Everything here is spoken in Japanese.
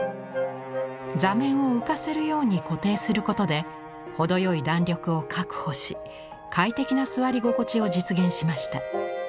座面を浮かせるように固定することで程よい弾力を確保し快適な座り心地を実現しました。